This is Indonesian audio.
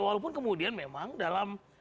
walaupun kemudian memang dalam